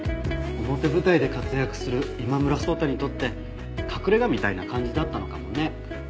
表舞台で活躍する今村草太にとって隠れ家みたいな感じだったのかもね。